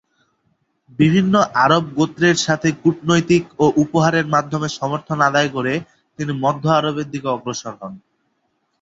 বিভিন্ন আরব গোত্রের সাথে কূটনৈতিক ও উপহারের মাধ্যমে সমর্থন আদায় করে তিনি মধ্য আরবের দিকে অগ্রসর হন।